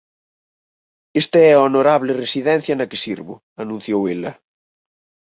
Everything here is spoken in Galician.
Esta é a honorable residencia na que sirvo —anunciou ela—.